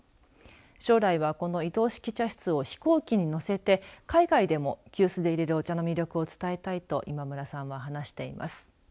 将来は、この移動式茶室を飛行機に載せて海外でも急須でいれるお茶の魅力を伝えたいと今村さんは話しています。